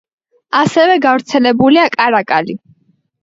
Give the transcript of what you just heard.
ასევე გავრცელებულია კარაკალი.